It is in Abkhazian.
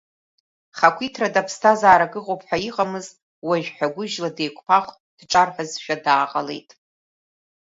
Хақәиҭрада ԥсҭазаарак ыҟоуп ҳәа иҟамыз, уажәы ҳәагәыжьла деиқәԥах дҿарҳәазшәа дааҟалеит.